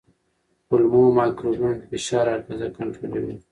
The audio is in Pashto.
کولمو مایکروبیوم د فشار اغېزه کنټرولوي.